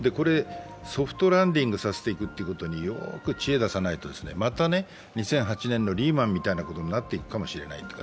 ソフトランディングさせていくということに、よく知恵を出さないとまた２００８年のリーマンみたいになっていくかもしれない。